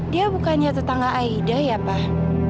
dia bukannya tetangga aida ya pak